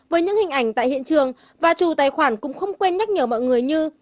với những hình ảnh tại hiện trường và chủ tài khoản cũng không quên nhắc nhở mọi người như